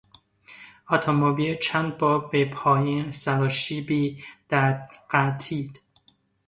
اتومبیل چند بار به پایین سراشیبی در غلتید.